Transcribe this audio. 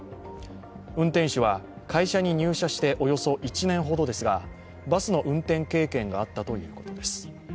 運転手は、会社に入社しておよそ１年ほどですが、バスの運転経験があったということです。